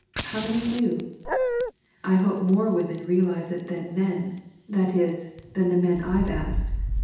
How many do? "I hope more women realize it than men that is, than the men I've asked.